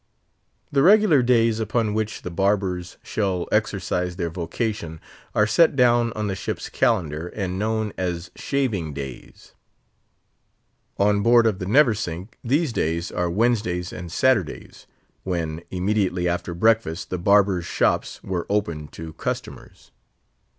The regular days upon which the barbers shall exercise their vocation are set down on the ship's calendar, and known as shaving days. On board of the Neversink these days are Wednesdays and Saturdays; when, immediately after breakfast, the barbers' shops were opened to customers.